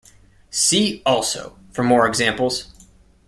See also for more examples.